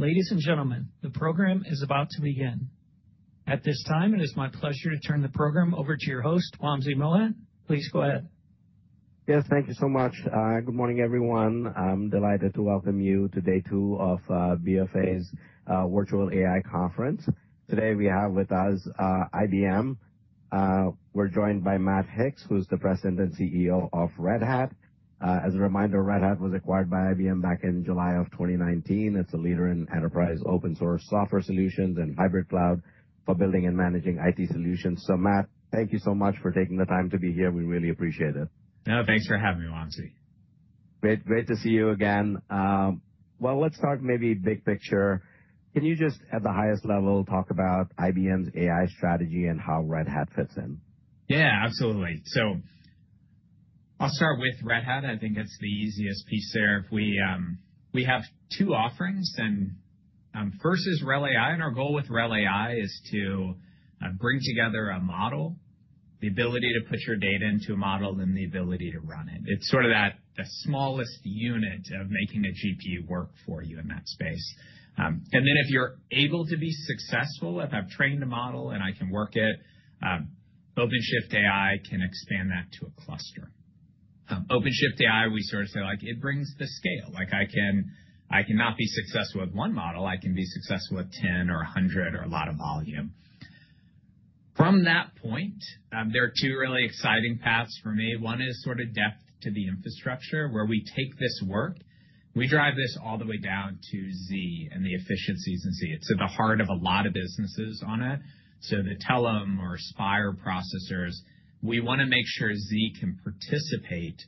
Ladies and gentlemen, the program is about to begin. At this time, it is my pleasure to turn the program over to your host, Wamsi Mohan. Please go ahead. Yes, thank you so much. Good morning, everyone. I'm delighted to welcome you to day two of BofA's Virtual AI Conference. Today we have with us IBM. We're joined by Matt Hicks, who's the President and Chief Executive Officer of Red Hat. As a reminder, Red Hat was acquired by IBM back in July of 2019. It's a leader in enterprise open-source software solutions and hybrid cloud for building and managing IT solutions. Matt, thank you so much for taking the time to be here. We really appreciate it. No, thanks for having me, Wamsi. Great to see you again. Let's start maybe big picture. Can you just at the highest level, talk about IBM's AI strategy and how Red Hat fits in? Yeah, absolutely. I'll start with Red Hat. I think that's the easiest piece there. We have two offerings and first is RHEL AI, and our goal with RHEL AI is to bring together a model, the ability to put your data into a model, then the ability to run it. It's sort of that the smallest unit of making a GPU work for you in that space. If you're able to be successful, if I've trained a model and I can work it, OpenShift AI can expand that to a cluster. OpenShift AI, we sort of say it brings the scale. I can not be successful with one model. I can be successful with 10 or 100 or a lot of volume. From that point, there are two really exciting paths for me. One is sort of depth to the infrastructure, where we take this work, we drive this all the way down to Z and the efficiencies in Z. It's at the heart of a lot of businesses on it. The Telum or Spyre processors, we want to make sure Z can participate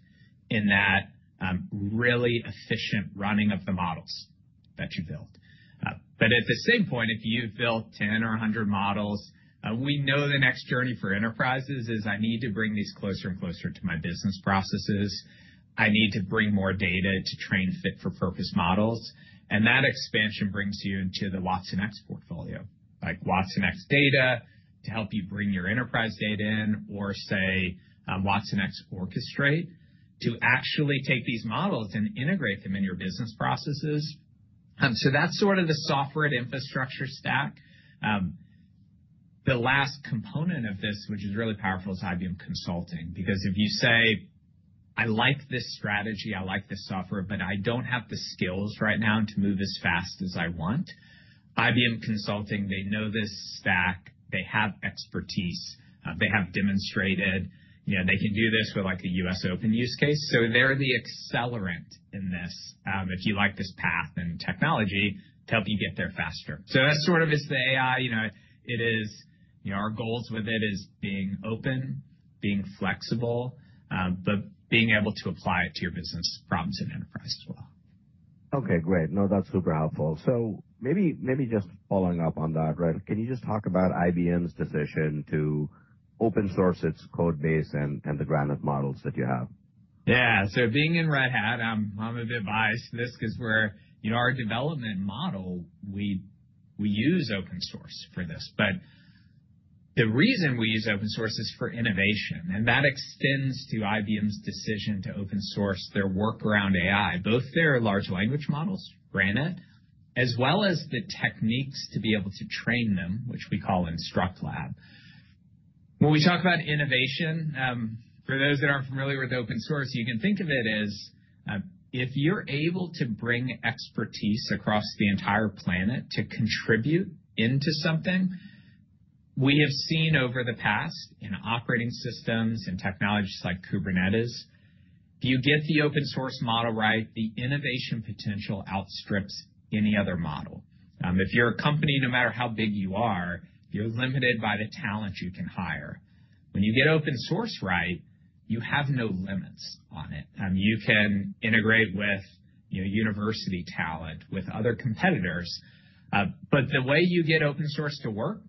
in that really efficient running of the models that you build. At the same point, if you've built 10 or 100 models, we know the next journey for enterprises is I need to bring these closer and closer to my business processes. I need to bring more data to train fit-for-purpose models. That expansion brings you into the watsonx portfolio, like watsonx.data to help you bring your enterprise data in or, say, watsonx Orchestrate to actually take these models and integrate them in your business processes. That's sort of the software at infrastructure stack. The last component of this, which is really powerful, is IBM Consulting, because if you say, "I like this strategy, I like this software, but I don't have the skills right now to move as fast as I want," IBM Consulting, they know this stack. They have expertise. They have demonstrated they can do this with a US Open use case. They're the accelerant in this, if you like this path and technology, to help you get there faster. That sort of is the AI. Our goals with it is being open, being flexible but being able to apply it to your business problems in enterprise as well. Okay, great. No, that's super helpful. Maybe just following up on that, can you just talk about IBM's decision to open source its code base and the Granite models that you have? Being in Red Hat, I'm a bit biased to this because our development model, we use open source for this. The reason we use open source is for innovation, and that extends to IBM's decision to open source their work around AI, both their large language models, Granite, as well as the techniques to be able to train them, which we call InstructLab. When we talk about innovation, for those that aren't familiar with open source, you can think of it as if you're able to bring expertise across the entire planet to contribute into something. We have seen over the past in operating systems and technologies like Kubernetes, if you get the open source model right, the innovation potential outstrips any other model. If you're a company, no matter how big you are, you're limited by the talent you can hire. When you get open source right, you have no limits on it. You can integrate with university talent, with other competitors. The way you get open source to work,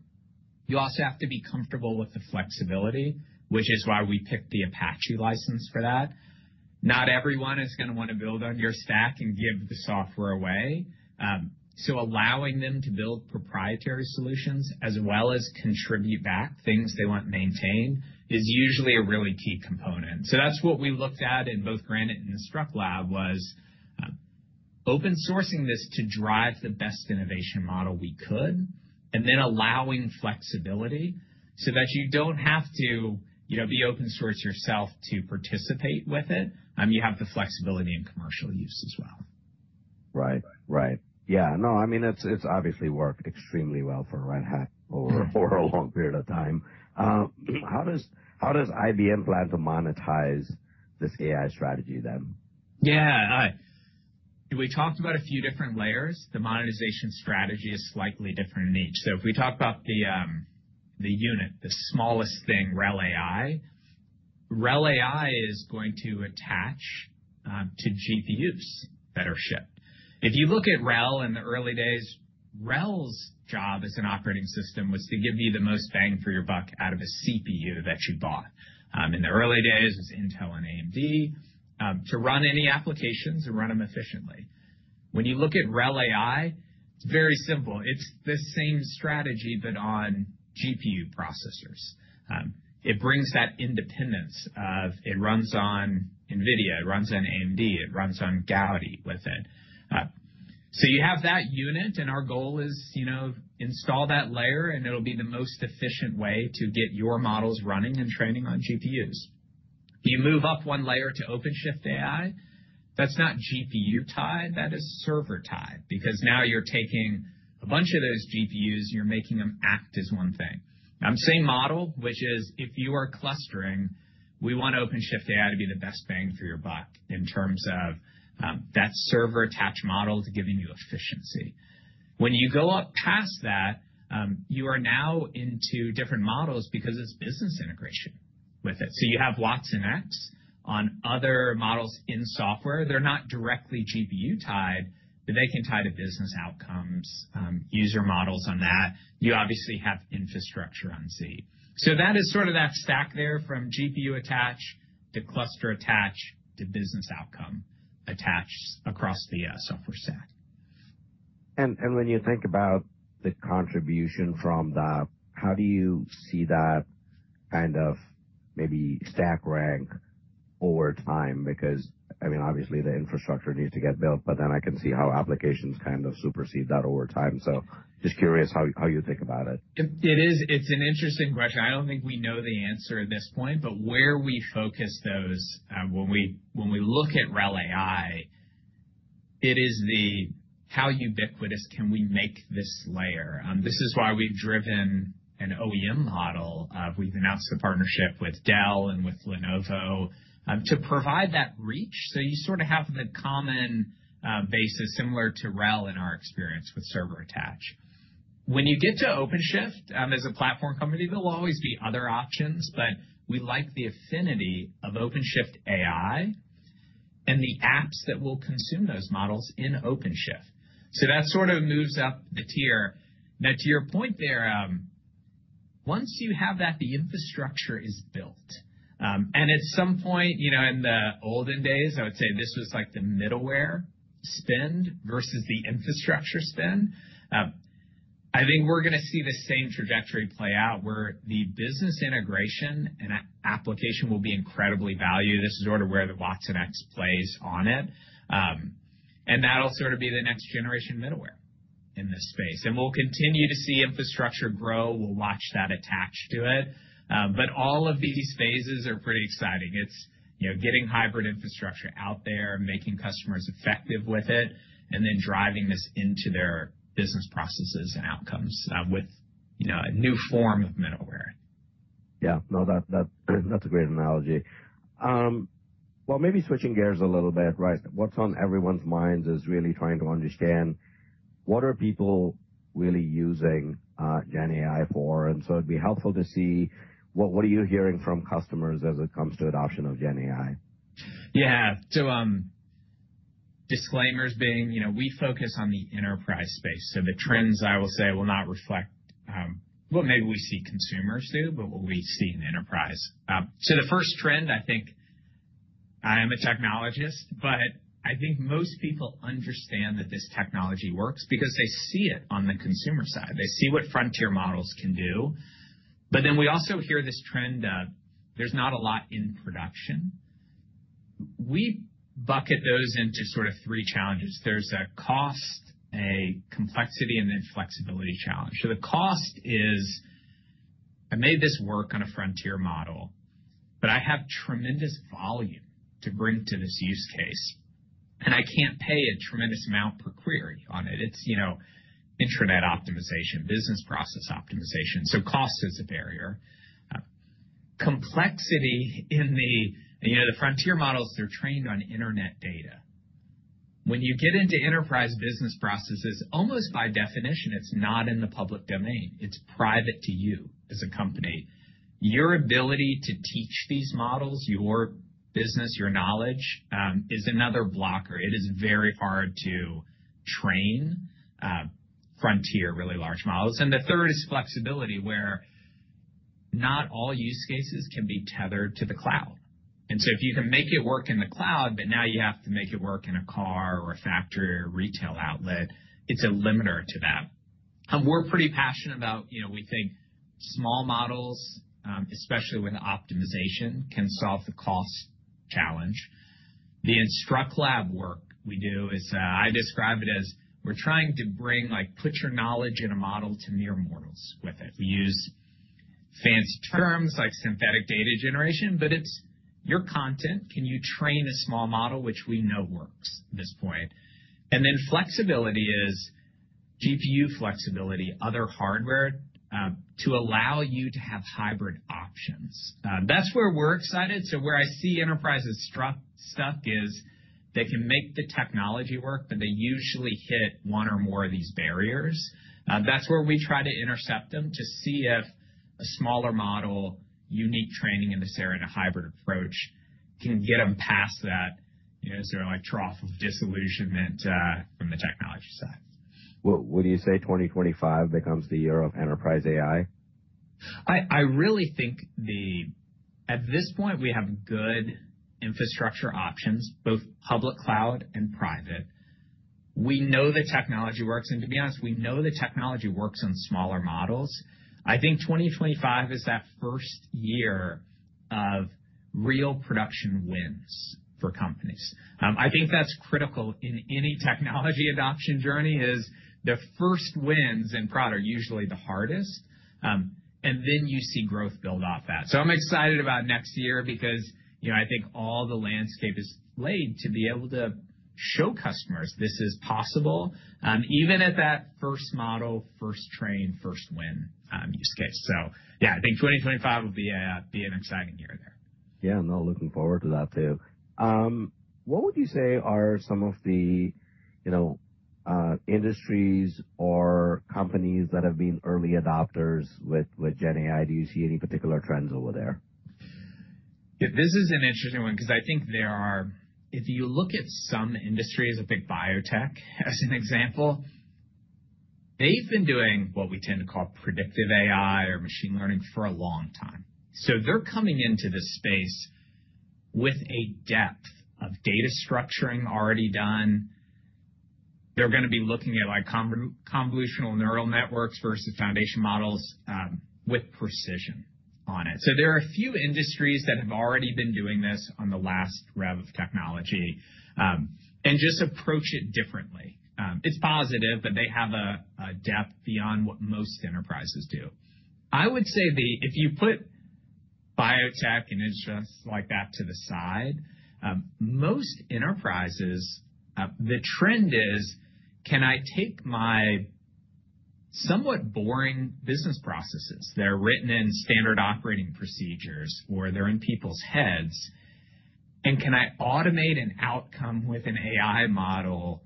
you also have to be comfortable with the flexibility, which is why we picked the Apache License for that. Not everyone is going to want to build on your stack and give the software away. Allowing them to build proprietary solutions as well as contribute back things they want maintained is usually a really key component. That's what we looked at in both Granite and InstructLab was open sourcing this to drive the best innovation model we could, and then allowing flexibility so that you don't have to be open source yourself to participate with it. You have the flexibility in commercial use as well. Right. Yeah. No, it's obviously worked extremely well for Red Hat over a long period of time. How does IBM plan to monetize this AI strategy then? Yeah. We talked about a few different layers. The monetization strategy is slightly different in each. If we talk about the unit, the smallest thing, RHEL AI, RHEL AI is going to attach to GPUs that are shipped. If you look at RHEL in the early days, RHEL's job as an operating system was to give you the most bang for your buck out of a CPU that you bought, in the early days, it was Intel and AMD, to run any applications and run them efficiently. When you look at RHEL AI, it's very simple. It's the same strategy, but on GPU processors. It brings that independence of it runs on Nvidia, it runs on AMD, it runs on Gaudi with it. You have that unit, and our goal is install that layer, and it'll be the most efficient way to get your models running and training on GPUs. You move up one layer to OpenShift AI, that's not GPU tied, that is server tied, because now you're taking a bunch of those GPUs, and you're making them act as one thing. I'm saying model, which is if you are clustering, we want OpenShift AI to be the best bang for your buck in terms of that server-attached model to giving you efficiency. When you go up past that, you are now into different models because it's business integration with it. You have watsonx on other models in software. They're not directly GPU tied, but they can tie to business outcomes, user models on that. You obviously have infrastructure on Z. That is sort of that stack there from GPU attach to cluster attach to business outcome attached across the software stack. When you think about the contribution from that, how do you see that kind of maybe stack rank over time? Because obviously the infrastructure needs to get built, but then I can see how applications kind of supersede that over time. Just curious how you think about it. It's an interesting question. I don't think we know the answer at this point, but where we focus those when we look at RHEL AI, it is the how ubiquitous can we make this layer? This is why we've driven an OEM model. We've announced a partnership with Dell and with Lenovo to provide that reach. You sort of have the common basis similar to RHEL in our experience with server attach. When you get to OpenShift as a platform company, there'll always be other options, but we like the affinity of OpenShift AI and the apps that will consume those models in OpenShift. That sort of moves up the tier. Now to your point there, once you have that, the infrastructure is built. At some point, in the olden days, I would say this was like the middleware spend versus the infrastructure spend. I think we are going to see the same trajectory play out where the business integration and application will be incredibly valued. This is sort of where the watsonx plays on it. That will sort of be the next generation middleware in this space. We will continue to see infrastructure grow. We will watch that attach to it. All of these phases are pretty exciting. It is getting hybrid infrastructure out there, making customers effective with it, and then driving this into their business processes and outcomes with a new form of middleware. Yeah. No, that is a great analogy. Maybe switching gears a little bit, what is on everyone's minds is really trying to understand what are people really using GenAI for, and so it would be helpful to see what are you hearing from customers as it comes to adoption of GenAI? Yeah. Disclaimers being we focus on the enterprise space. The trends I will say will not reflect what maybe we see consumers do, but what we see in enterprise. The first trend, I think I am a technologist, but I think most people understand that this technology works because they see it on the consumer side. They see what frontier models can do. We also hear this trend of there is not a lot in production. We bucket those into sort of three challenges. There is a cost, a complexity, and then flexibility challenge. The cost is I made this work on a frontier model, but I have tremendous volume to bring to this use case, and I cannot pay a tremendous amount per query on it. It is internet optimization, business process optimization. Cost is a barrier. Complexity in the frontier models, they are trained on internet data. When you get into enterprise business processes, almost by definition, it is not in the public domain. It is private to you as a company. Your ability to teach these models your business, your knowledge, is another blocker. It is very hard to train frontier really large models. The third is flexibility, where not all use cases can be tethered to the cloud. If you can make it work in the cloud, but now you have to make it work in a car or a factory or retail outlet, it is a limiter to that. We are pretty passionate about we think small models, especially when optimization can solve the cost challenge. The InstructLab work we do is, I describe it as we are trying to bring put your knowledge in a model to mere mortals with it. We use fancy terms like synthetic data generation, but it's your content. Can you train a small model which we know works at this point? Flexibility is GPU flexibility, other hardware to allow you to have hybrid options. That's where we're excited. Where I see enterprises stuck is they can make the technology work, but they usually hit one or more of these barriers. That's where we try to intercept them to see if a smaller model, unique training in this area in a hybrid approach can get them past that. Is there a trough of disillusionment from the technology side? Would you say 2025 becomes the year of enterprise AI? I really think at this point, we have good infrastructure options, both public cloud and private. We know the technology works, to be honest, we know the technology works on smaller models. I think 2025 is that first year of real production wins for companies. I think that's critical in any technology adoption journey is the first wins in prod are usually the hardest, then you see growth build off that. I'm excited about next year because I think all the landscape is laid to be able to show customers this is possible, even at that first model, first train, first win use case. Yeah, I think 2025 will be an exciting year there. Yeah, no, looking forward to that too. What would you say are some of the industries or companies that have been early adopters with GenAI? Do you see any particular trends over there? Yeah, this is an interesting one because if you look at some industries, I think biotech as an example, they've been doing what we tend to call predictive AI or machine learning for a long time. They're coming into this space with a depth of data structuring already done. They're going to be looking at convolutional neural networks versus foundation models with precision on it. There are a few industries that have already been doing this on the last rev of technology and just approach it differently. It's positive, but they have a depth beyond what most enterprises do. I would say if you put biotech and industries like that to the side, most enterprises, the trend is, can I take my somewhat boring business processes that are written in standard operating procedures, or they're in people's heads, and can I automate an outcome with an AI model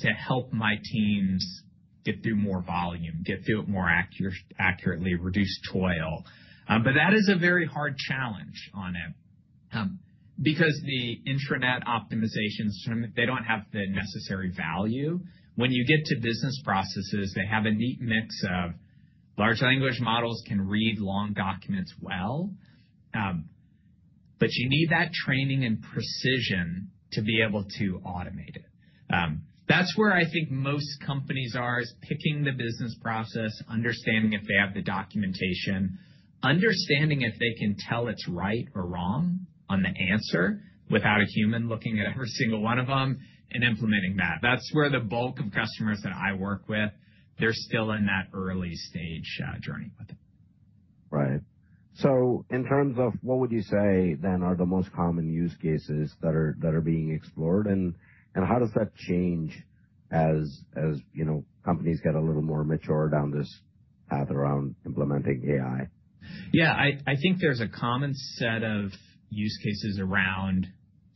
to help my teams get through more volume, get through it more accurately, reduce toil? That is a very hard challenge on it. The intranet optimization, they don't have the necessary value. When you get to business processes, they have a neat mix of large language models can read long documents well, but you need that training and precision to be able to automate it. That's where I think most companies are, is picking the business process, understanding if they have the documentation, understanding if they can tell it's right or wrong on the answer without a human looking at every single one of them and implementing that. That's where the bulk of customers that I work with, they're still in that early stage journey with it. Right. In terms of what would you say then are the most common use cases that are being explored and how does that change as companies get a little more mature down this path around implementing AI? I think there's a common set of use cases around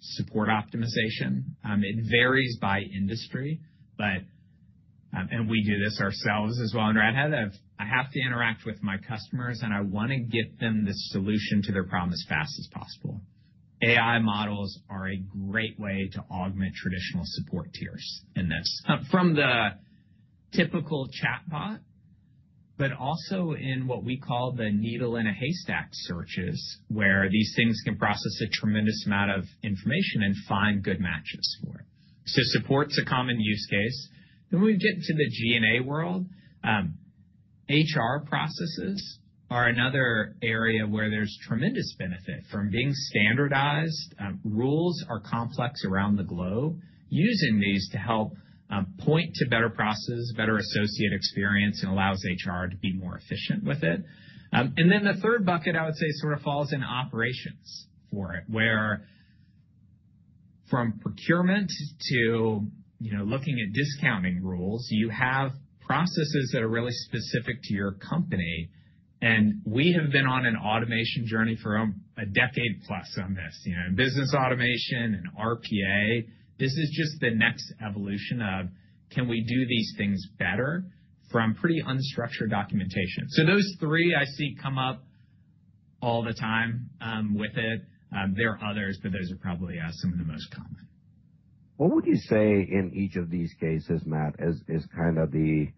support optimization. It varies by industry. We do this ourselves as well in Red Hat. I have to interact with my customers and I want to get them the solution to their problem as fast as possible. AI models are a great way to augment traditional support tiers in this. From the typical chatbot, but also in what we call the needle in a haystack searches, where these things can process a tremendous amount of information and find good matches for it. Support's a common use case. When we get into the GNA world, HR processes are another area where there's tremendous benefit from being standardized. Rules are complex around the globe. Using these to help point to better processes, better associate experience and allows HR to be more efficient with it. The third bucket I would say sort of falls in operations for it, where from procurement to looking at discounting rules, you have processes that are really specific to your company. We have been on an automation journey for a decade plus on this. In business automation and RPA, this is just the next evolution of can we do these things better from pretty unstructured documentation. Those three I see come up all the time with it. There are others, but those are probably some of the most common. What would you say in each of these cases, Matt, is kind of the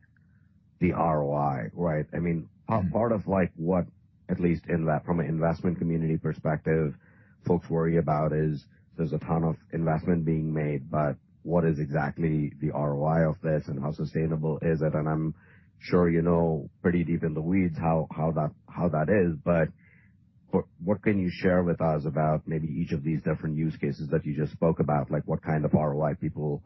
ROI, right? Part of what, at least from an investment community perspective, folks worry about is there's a ton of investment being made, but what is exactly the ROI of this and how sustainable is it? I'm sure you know pretty deep in the weeds how that is, but what can you share with us about maybe each of these different use cases that you just spoke about? What kind of ROI people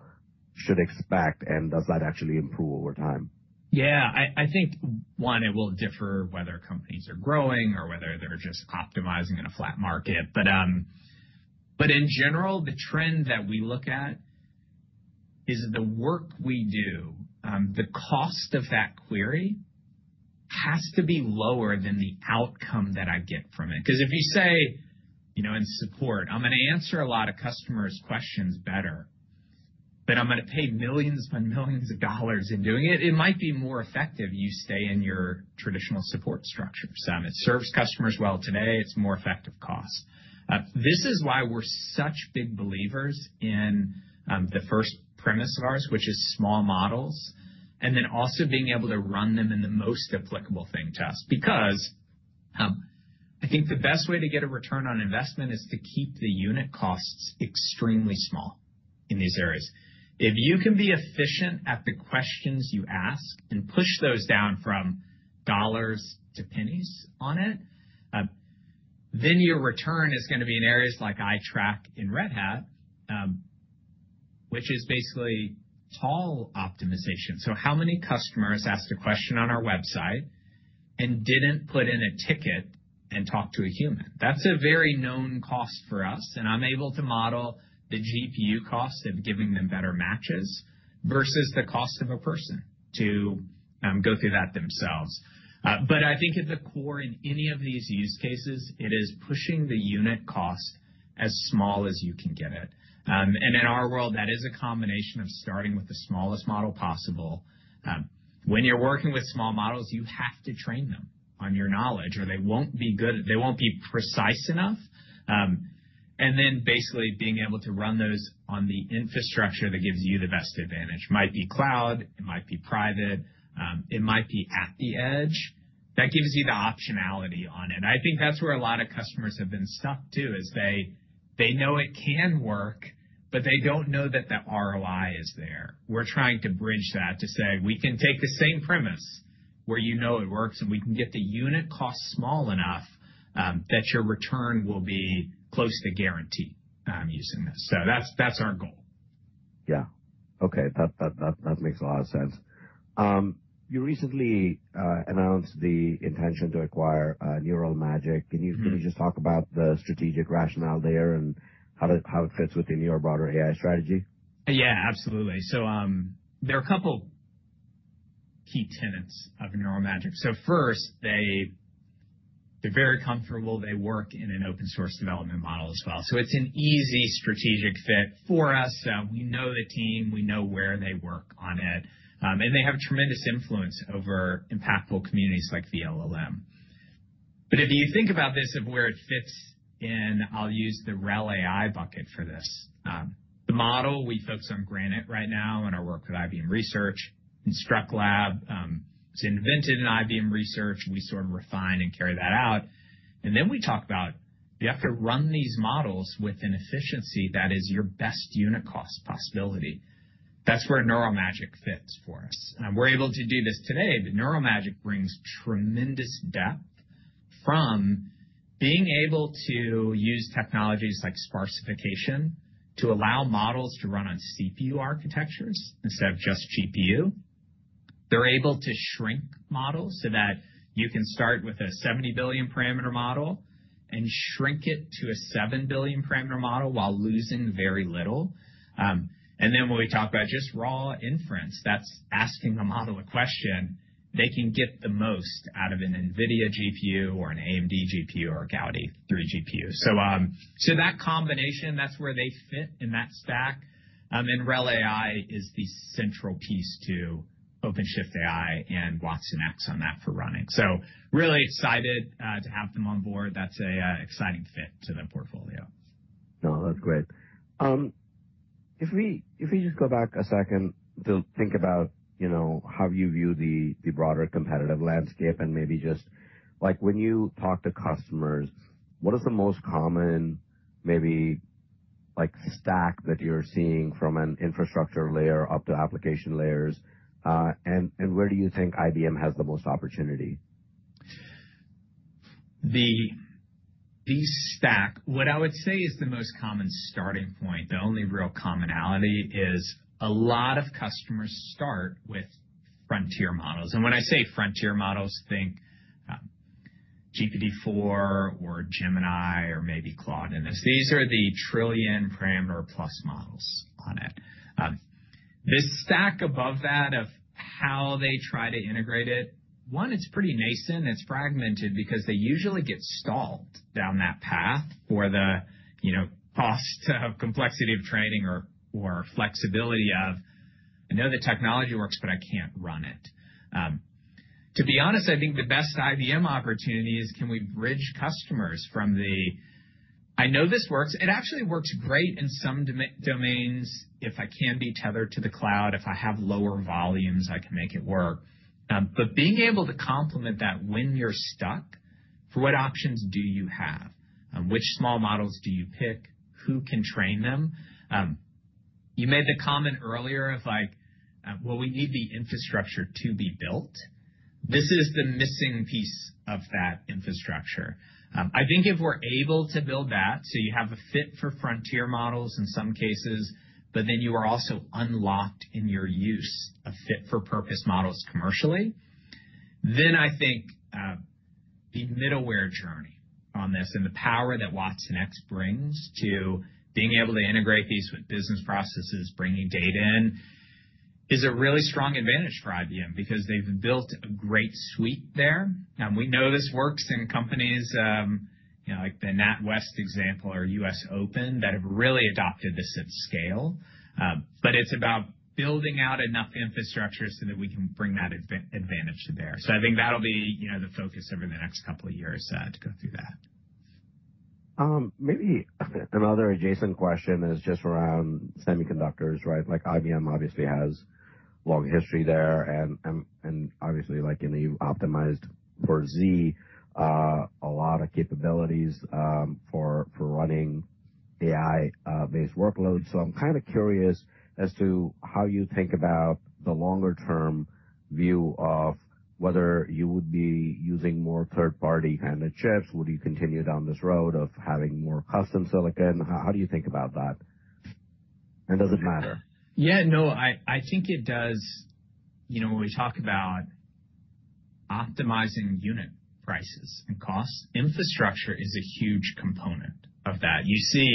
should expect and does that actually improve over time? I think one, it will differ whether companies are growing or whether they're just optimizing in a flat market. In general, the trend that we look at is the work we do, the cost of that query has to be lower than the outcome that I get from it. If you say in support, "I'm going to answer a lot of customers' questions better, but I'm going to pay millions upon millions of dollars in doing it," it might be more effective you stay in your traditional support structure. It serves customers well today, it's more effective cost. This is why we're such big believers in the first premise of ours, which is small models, and then also being able to run them in the most applicable thing to us because I think the best way to get a return on investment is to keep the unit costs extremely small in these areas. If you can be efficient at the questions you ask and push those down from dollars to pennies on it, your return is going to be in areas like I track in Red Hat, which is basically call optimization. How many customers asked a question on our website and didn't put in a ticket and talk to a human? That's a very known cost for us, and I'm able to model the GPU cost of giving them better matches versus the cost of a person to go through that themselves. I think at the core, in any of these use cases, it is pushing the unit cost as small as you can get it. In our world, that is a combination of starting with the smallest model possible. When you're working with small models, you have to train them on your knowledge or they won't be precise enough. Basically being able to run those on the infrastructure that gives you the best advantage. Might be cloud, it might be private, it might be at the edge. That gives you the optionality on it. I think that's where a lot of customers have been stuck, too, is they know it can work, but they don't know that the ROI is there. We're trying to bridge that to say, we can take the same premise where you know it works, and we can get the unit cost small enough that your return will be close to guaranteed using this. That's our goal. Yeah. Okay. That makes a lot of sense. You recently announced the intention to acquire Neural Magic. Can you just talk about the strategic rationale there and how it fits within your broader AI strategy? Yeah, absolutely. There are a couple key tenets of Neural Magic. First, they're very comfortable. They work in an open-source development model as well. It's an easy strategic fit for us. We know the team, we know where they work on it. They have tremendous influence over impactful communities like vLLM. If you think about this of where it fits in, I'll use the RHEL AI bucket for this. The model, we focus on Granite right now in our work at IBM Research. InstructLab was invented in IBM Research. We sort of refine and carry that out. Then we talk about, you have to run these models with an efficiency that is your best unit cost possibility. That's where Neural Magic fits for us. We're able to do this today, Neural Magic brings tremendous depth from being able to use technologies like sparsification to allow models to run on CPU architectures instead of just GPU. They're able to shrink models so that you can start with a 70 billion parameter model and shrink it to a 7 billion parameter model while losing very little. Then when we talk about just raw inference, that's asking the model a question they can get the most out of an Nvidia GPU or an AMD GPU or a Gaudi 3 GPU. That combination, that's where they fit in that stack. RHEL AI is the central piece to OpenShift AI and watsonx on that for running. Really excited to have them on board. That's an exciting fit to the portfolio. No, that's great. If we just go back a second to think about how you view the broader competitive landscape and maybe just like when you talk to customers, what is the most common maybe stack that you're seeing from an infrastructure layer up to application layers? Where do you think IBM has the most opportunity? The stack, what I would say is the most common starting point, the only real commonality is a lot of customers start with foundation models. When I say foundation models, think GPT-4 or Gemini or maybe Claude in this. These are the trillion parameter plus models on it. This stack above that of how they try to integrate it, one, it's pretty nascent. It's fragmented because they usually get stalled down that path for the cost of complexity of training or flexibility of, I know the technology works, but I can't run it. To be honest, I think the best IBM opportunity is can we bridge customers from the, I know this works. It actually works great in some domains. If I can be tethered to the cloud, if I have lower volumes, I can make it work. Being able to complement that when you're stuck, what options do you have? Which small models do you pick? Who can train them? You made the comment earlier of like, well, we need the infrastructure to be built. This is the missing piece of that infrastructure. I think if we're able to build that, so you have a fit for foundation models in some cases, but then you are also unlocked in your use of fit-for-purpose models commercially, I think the middleware journey on this and the power that watsonx brings to being able to integrate these with business processes, bringing data in, is a really strong advantage for IBM because they've built a great suite there. We know this works in companies like the NatWest example or US Open that have really adopted this at scale. It's about building out enough infrastructure so that we can bring that advantage to bear. I think that'll be the focus over the next couple of years to go through that. Maybe another adjacent question is just around semiconductors, right? Like IBM obviously has a long history there and obviously, like in the optimized for Z, a lot of capabilities for running AI-based workloads. I'm kind of curious as to how you think about the longer-term view of whether you would be using more third-party kind of chips. Would you continue down this road of having more custom silicon? How do you think about that? Does it matter? I think it does. When we talk about optimizing unit prices and costs, infrastructure is a huge component of that. You see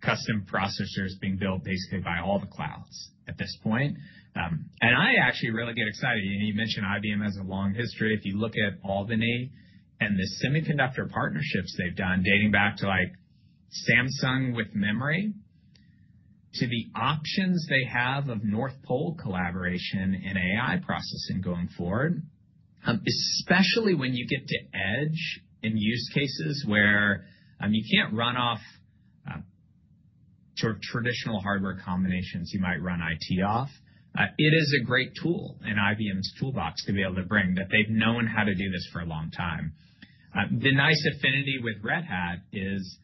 custom processors being built basically by all the clouds at this point. I actually really get excited. You mentioned IBM has a long history. If you look at Albany and the semiconductor partnerships they've done, dating back to Samsung with memory, to the options they have of NorthPole collaboration in AI processing going forward, especially when you get to Edge in use cases where you can't run off traditional hardware combinations, you might run IT off. It is a great tool in IBM's toolbox to be able to bring that they've known how to do this for a long time. The nice affinity with Red Hat is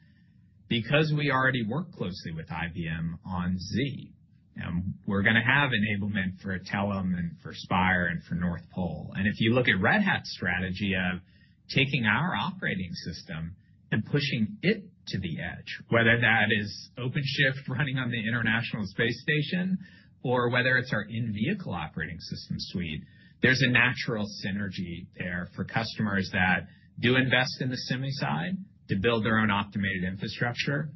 because we already work closely with IBM on IBM Z. We're going to have enablement for Telum and for Spyre and for NorthPole. If you look at Red Hat's strategy of taking our operating system and pushing it to the Edge, whether that is OpenShift running on the International Space Station or whether it's our in-vehicle operating system suite, there's a natural synergy there for customers that do invest in the semi side to build their own optimized infrastructure.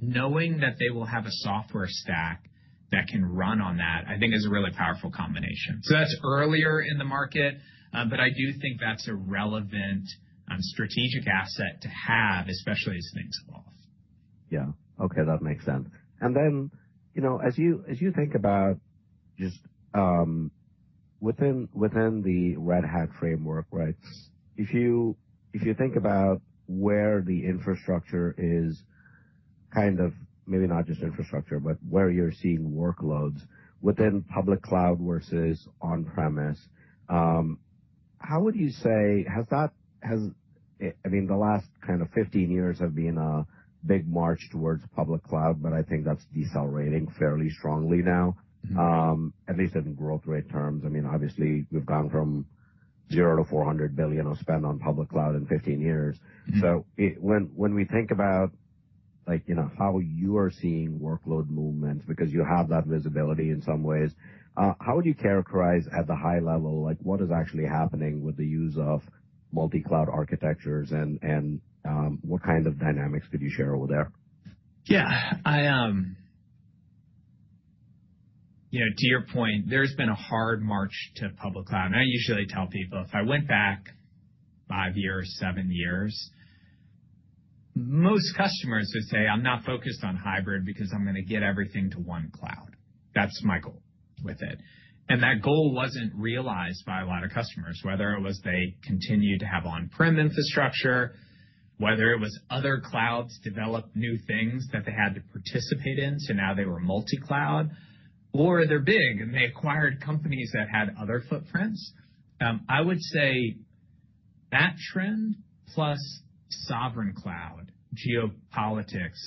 Knowing that they will have a software stack that can run on that, I think, is a really powerful combination. That's earlier in the market, but I do think that's a relevant strategic asset to have, especially as things evolve. That makes sense. As you think about just within the Red Hat framework, if you think about where the infrastructure is kind of maybe not just infrastructure, but where you're seeing workloads within public cloud versus on-premise, how would you say has that-- The last kind of 15 years have been a big march towards public cloud, but I think that's decelerating fairly strongly now, at least in growth rate terms. Obviously, we've gone from zero to $400 billion of spend on public cloud in 15 years. When we think about how you are seeing workload movement, because you have that visibility in some ways, how would you characterize at the high level, what is actually happening with the use of multi-cloud architectures and what kind of dynamics could you share over there? Yeah. To your point, there's been a hard march to public cloud. I usually tell people if I went back five years, seven years, most customers would say, "I'm not focused on hybrid because I'm going to get everything to one cloud. That's my goal with it." That goal wasn't realized by a lot of customers, whether it was they continued to have on-prem infrastructure, whether it was other clouds developed new things that they had to participate in, so now they were multi-cloud, or they're big, and they acquired companies that had other footprints. I would say that trend plus sovereign cloud, geopolitics,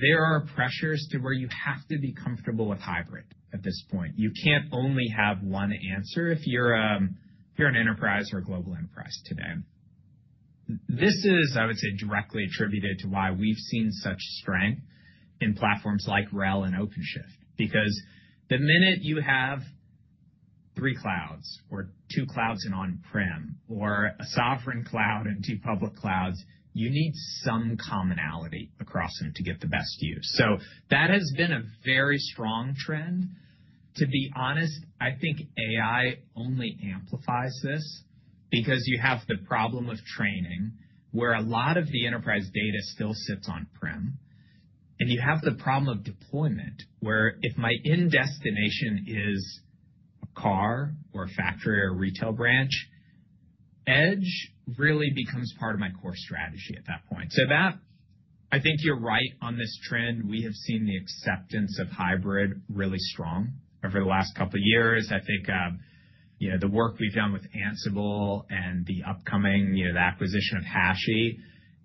there are pressures to where you have to be comfortable with hybrid at this point. You can't only have one answer if you're an enterprise or a global enterprise today. This is, I would say, directly attributed to why we've seen such strength in platforms like RHEL and OpenShift. The minute you have three clouds or two clouds in on-prem or a sovereign cloud and two public clouds, you need some commonality across them to get the best use. That has been a very strong trend. To be honest, I think AI only amplifies this because you have the problem with training, where a lot of the enterprise data still sits on-prem, and you have the problem of deployment, where if my end destination is a car or a factory or a retail branch, Edge really becomes part of my core strategy at that point. That I think you're right on this trend. We have seen the acceptance of hybrid really strong over the last couple of years. I think the work we've done with Ansible and the upcoming acquisition of HashiCorp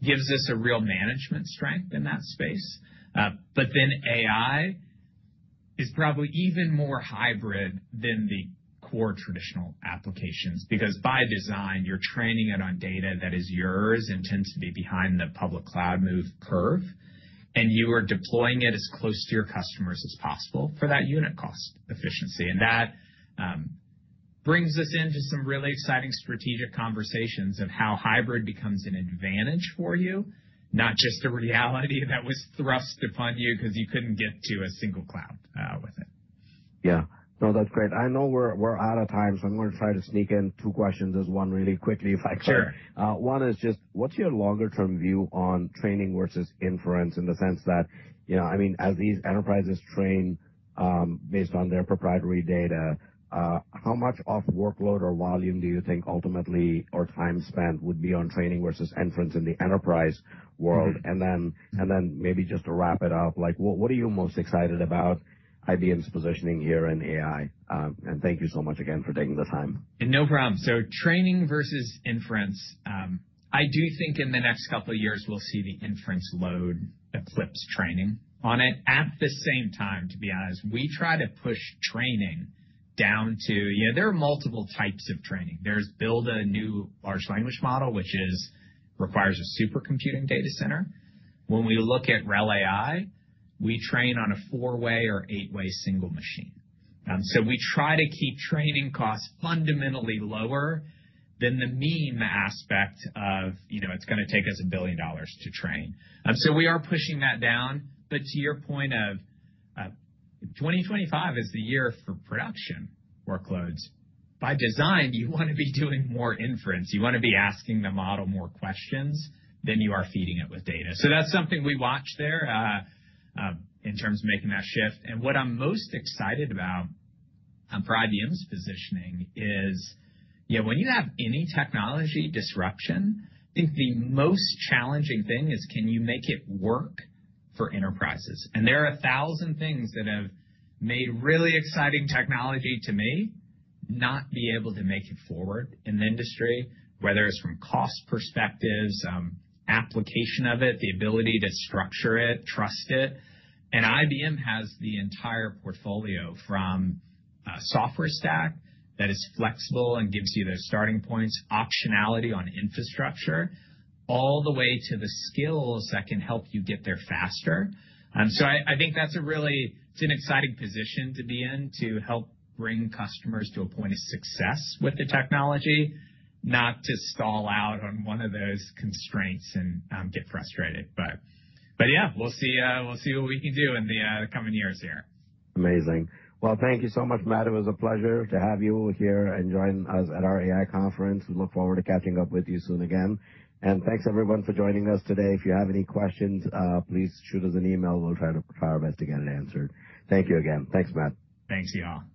gives us a real management strength in that space. AI is probably even more hybrid than the core traditional applications, because by design, you're training it on data that is yours and tends to be behind the public cloud move curve, and you are deploying it as close to your customers as possible for that unit cost efficiency. That brings us into some really exciting strategic conversations of how hybrid becomes an advantage for you, not just a reality that was thrust upon you because you couldn't get to a single cloud with it. Yeah. No, that's great. I know we're out of time, I'm going to try to sneak in two questions as one really quickly, if I can. Sure. One is just what's your longer-term view on training versus inference in the sense that, as these enterprises train based on their proprietary data, how much of workload or volume do you think ultimately or time spent would be on training versus inference in the enterprise world? Maybe just to wrap it up, what are you most excited about IBM's positioning here in AI? Thank you so much again for taking the time. No problem. Training versus inference. I do think in the next couple of years, we'll see the inference load eclipse training on it. At the same time, to be honest, we try to push training down to. There are multiple types of training. There's build a new large language model, which requires a supercomputing data center. When we look at RHEL AI, we train on a four-way or eight-way single machine. We try to keep training costs fundamentally lower than the mean aspect of, it's going to take us $1 billion to train. We are pushing that down. To your point of 2025 is the year for production workloads. By design, you want to be doing more inference. You want to be asking the model more questions than you are feeding it with data. That's something we watch there, in terms of making that shift. What I'm most excited about for IBM's positioning is when you have any technology disruption, I think the most challenging thing is can you make it work for enterprises? There are 1,000 things that have made really exciting technology to me not be able to make it forward in the industry, whether it's from cost perspectives, application of it, the ability to structure it, trust it. IBM has the entire portfolio from a software stack that is flexible and gives you those starting points, optionality on infrastructure, all the way to the skills that can help you get there faster. I think that's a really exciting position to be in to help bring customers to a point of success with the technology, not just stall out on one of those constraints and get frustrated. Yeah, we'll see what we can do in the coming years here. Amazing. Well, thank you so much, Matt. It was a pleasure to have you here and join us at our A.I. conference. We look forward to catching up with you soon again. Thanks everyone for joining us today. If you have any questions, please shoot us an email, we'll try our best to get it answered. Thank you again. Thanks, Matt. Thanks, y'all.